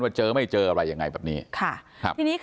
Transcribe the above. ว่าเจอไม่เจออะไรยังไงแบบนี้